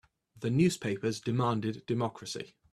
The newspapers demanded democracy.